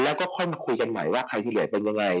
แล้วก็ค่อยมาคุยกันใหม่ว่าใครที่เหลือเป็นยังไง